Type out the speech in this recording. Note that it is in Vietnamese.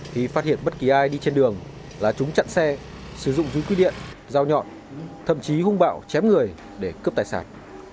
thì phát hiện bất kỳ ai đi trên đường là chúng chặn xe sử dụng túi quy điện dao nhọn thậm chí hung bạo chém người để cướp tài sản